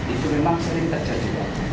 itu memang sering terjadi